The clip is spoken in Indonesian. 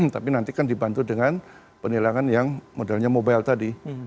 tapi nanti kan dibantu dengan penilangan yang modelnya mobile tadi